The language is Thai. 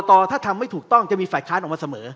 ต่อถ้าทำไม่ถูกต้องจะมีฝ่ายค้านออกมาเสมอ